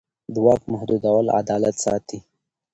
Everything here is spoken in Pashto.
د واک محدودول عدالت ساتي